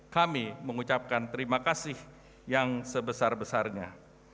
kami mengucapkan terima kasih yang sebesar besarnya